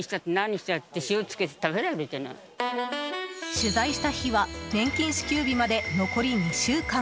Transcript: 取材した日は年金支給日まで残り２週間。